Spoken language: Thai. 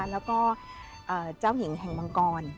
แล้วก็เจ้าหญิงแห่งมังกร